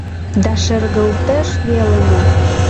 Да шергылтеш веле мо!